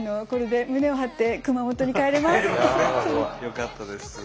よかったです。